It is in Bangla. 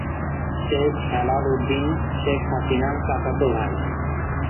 শেখ হেলাল উদ্দিন শেখ হাসিনার চাচাতো ভাই।